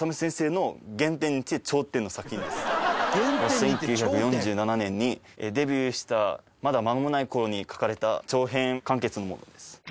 １９４７年にデビューしたまだ間もない頃に描かれた長編完結ものです。